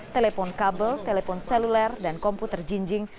telepon kabel telepon seluler dan komputer jinjing